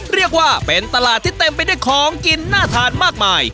เรียกว่าเป็นตลาดที่เต็มไปด้วยของกินน่าทานมากมาย